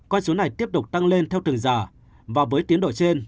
con số này tiếp tục tăng lên theo từng giờ và với tiến độ trên